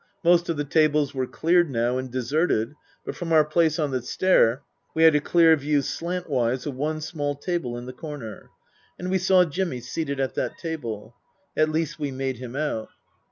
Most of the tables were cleared now and deserted. But from our place on the stair we had a clear view slantwise of one small table in the corner. And we saw Jimmy seated at that table. At least we made him out.